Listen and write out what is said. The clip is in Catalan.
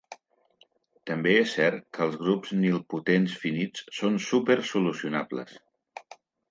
També és cert que els grups nilpotents finits són super solucionables.